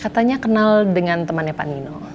katanya kenal dengan temannya panino